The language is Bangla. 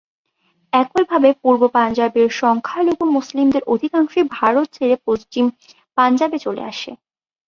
একইভাবে পূর্ব পাঞ্জাবের সংখ্যালঘু মুসলিমদের অধিকাংশই ভারত ছেড়ে পশ্চিম পাঞ্জাবে চলে আসে।